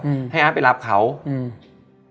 อืมให้อาร์ตไปรับเขาอืม